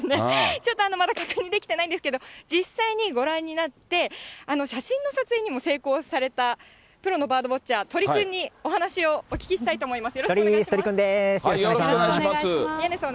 ちょっとまだ確認できてないんですけど、実際にご覧になって、写真の撮影にも成功された、プロのバードウォッチャー、鳥くんにお話をお聞きしたいと思います。